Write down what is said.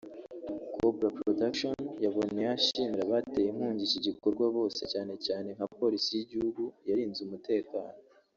Cobra Production yaboneyeho ashimira abateye inkunga iki gikorwa bose cyane cyane nka Polisi y’igihugu yarinze umutekano